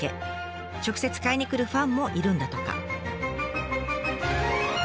直接買いに来るファンもいるんだとか。